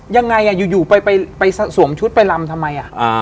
อย่างไรอยู่วันละหาไปซวมชุดไปรำทำไม